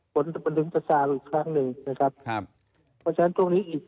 ฝนมันดึงจะสารข้างหน่อยนะครับ